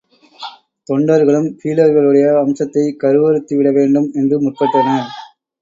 தொண்டர்களும் பீலர்களுடைய வம்சத்தைக் கருவறுத்துவிடவேண்டும் என்று முற்பட்டனர்.